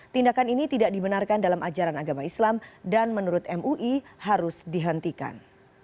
tindakan ini tidak dibenarkan dalam ajaran agama islam dan menurut mui harus dihentikan